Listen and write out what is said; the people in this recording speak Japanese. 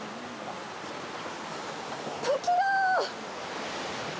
滝だ！